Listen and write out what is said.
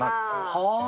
はあ！